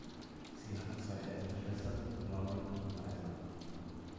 Sie hatte zwei ältere Schwestern, Lauren und Lisa.